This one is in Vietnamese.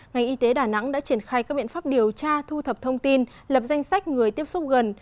ngành y tế đà nẵng đã triển khai các biện pháp điều tra thu thập thông tin lập danh sách người tiếp xúc gần